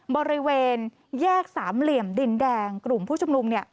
บริเวณแยกสามเหลี่ยมดินแดงกลุ่มผู้ชุมนุมเนี่ย